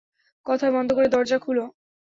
কথা বন্ধ করে দরজা খুলো।